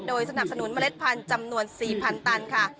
สนับสนุนเมล็ดพันธุ์จำนวน๔๐๐๐ตันค่ะ